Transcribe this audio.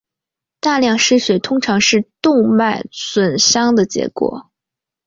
大量失血通常是动脉损伤的结果。